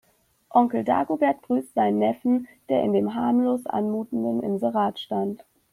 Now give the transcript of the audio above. Onkel Dagobert grüßt seinen Neffen, der in dem harmlos anmutenden Inserat stand.